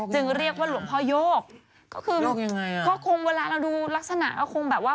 เรียกว่าหลวงพ่อโยกก็คือก็คงเวลาเราดูลักษณะก็คงแบบว่า